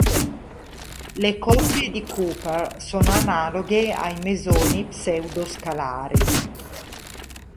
Le coppie di Cooper sono analoghe ai mesoni pseudo-scalari.